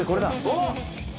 おっ！